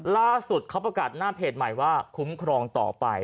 ล่าสุดเขาประกาศหน้าเพจใหม่ว่าคุ้มครองต่อไป